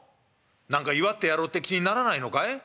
何か祝ってやろうって気にならないのかい？」。